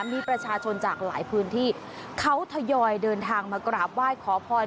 มีประชาชนจากหลายพื้นที่เขาทยอยเดินทางมากราบไหว้ขอพร